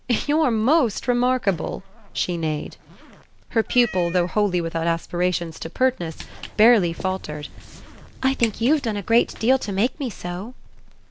"You're most remarkable!" she neighed. Her pupil, though wholly without aspirations to pertness, barely faltered. "I think you've done a great deal to make me so."